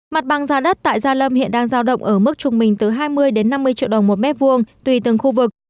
mặt bằng giá đất tại gia lâm hiện đang giao động ở mức trung bình từ hai mươi đến năm mươi triệu đồng một mét vuông tùy từng khu vực